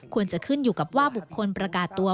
ควรจะขึ้นอยู่กับว่าบุคคลประกาศตัว